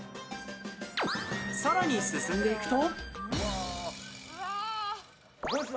更に進んでいくと。